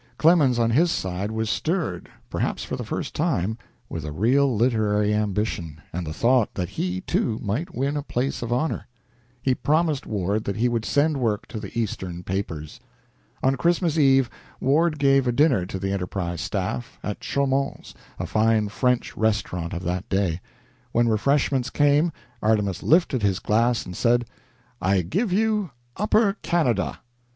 Clemens, on his side, was stirred, perhaps for the first time, with a real literary ambition, and the thought that he, too, might win a place of honor. He promised Ward that he would send work to the Eastern papers. On Christmas Eve, Ward gave a dinner to the "Enterprise" staff, at Chaumond's, a fine French restaurant of that day. When refreshments came, Artemus lifted his glass, and said: "I give you Upper Canada."